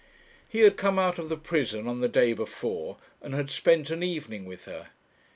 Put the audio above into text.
He had come out of the prison on the day before, and had spent an evening with her.